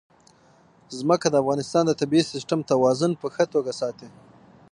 ځمکه د افغانستان د طبعي سیسټم توازن په ښه توګه ساتي.